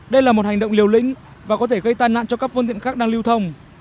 đây là một hành động liều lĩnh và có thể gây tai nạn cho các phương tiện khác đang lưu thông